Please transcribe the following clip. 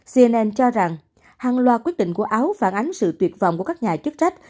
cnn cho rằng hàng loạt quyết định của áo phản ánh sự tuyệt vọng của các nhà chức trách